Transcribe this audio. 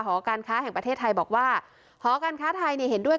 หอการค้าแห่งประเทศไทยบอกว่าหอการค้าไทยเนี่ยเห็นด้วย